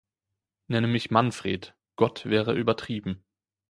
Nenne mich Manfred, Gott wäre übertrieben.